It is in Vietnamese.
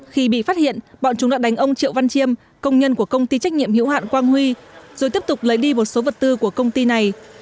khi bị phát hiện bọn chúng đã đánh ông triệu văn chiêm công nhân của công ty trách nhiệm hữu hạn quang huy rồi tiếp tục lấy đi một số vật tư của công ty này